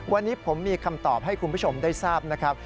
วันนี้ผมมีคำตอบให้คุณผู้ชมได้ทราบนะครับ